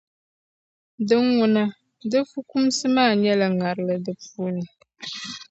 Din ŋuna, di fukumsi maa nyɛla ŋarili di puuni.